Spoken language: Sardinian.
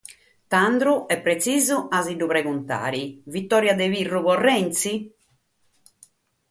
Tando est pretzisu a nos lu pregontare: vitòria de Pirru pro Renzi?